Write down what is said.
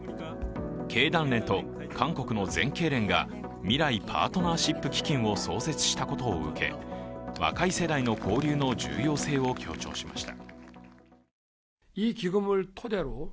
経団連と韓国の全経連が未来パートナーシップ基金を創設したことを受け若い世代の交流の重要性を強調しました。